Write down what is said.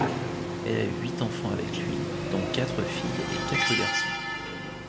Elle a eu huit enfants avec lui dont quatre filles et quatre garçons.